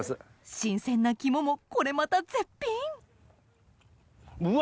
新鮮な肝もこれまた絶品うわ！